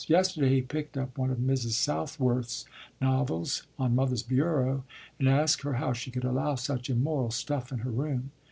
Yesterday he picked up one of Mrs. Southworth's novels on mother's bureau and asked her how she could allow such immoral stuff in her room.